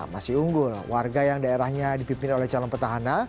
masih unggul warga yang daerahnya dipimpin oleh calon petahana